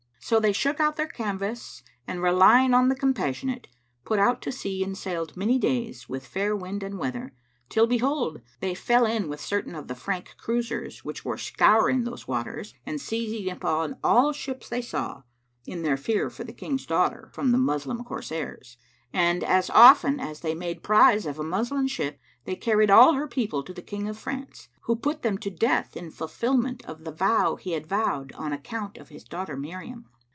So they shook out their canvas and relying on the Compassionate, put out to sea and sailed many days, with fair wind and weather, till behold, they fell in with certain of the Frank cruisers, which were scouring those waters and seizing upon all ships they saw, in their fear for the King's daughter from the Moslem corsairs: and as often as they made prize of a Moslem ship, they carried all her people to the King of France, who put them to death in fulfilment of the vow he had vowed on account of his daughter Miriam.